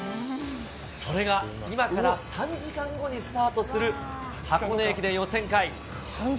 それが今から３時間後にスタートする、箱根駅伝予選会。